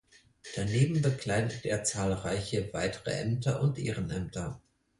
Daneben bekleidet er zahlreiche weitere Ämter und Ehrenämter.